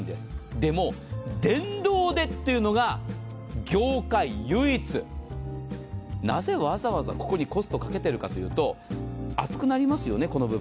でも、電動でっていうのが業界唯一、なぜ、わざわざここにコストをかけているかというと、この部分、ヒーター、熱くなりますよね。